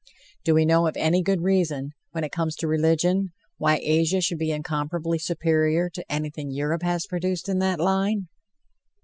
Do we know of any good reason, when it comes to religion, why Asia should be incomparably superior to anything Europe has produced in that line?